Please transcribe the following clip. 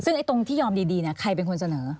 ซึ่งตรงที่ยอมดีใครเป็นคนเสนอ